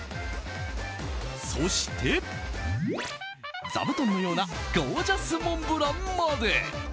そして、座布団？のようなゴージャスモンブランまで。